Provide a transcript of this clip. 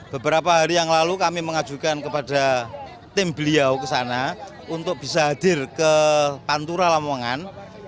beberapa hari yang lalu kami mengajukan kepada tim beliau ke sana untuk bisa hadir ke pantura lamongan